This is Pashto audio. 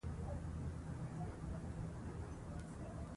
فعل د جملې منطق ټاکي.